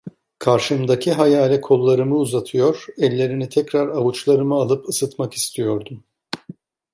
Karşımdaki hayale kollarımı uzatıyor, ellerini tekrar avuçlarıma alıp ısıtmak istiyordum.